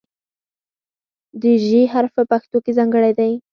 د "ژ" حرف په پښتو کې ځانګړی دی.